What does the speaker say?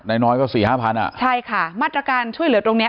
ในน้อยก็๔๕พันอ่ะใช่ค่ะมาตรการช่วยเหลือตรงนี้